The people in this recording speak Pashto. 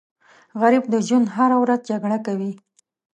غریب د ژوند هره ورځ جګړه کوي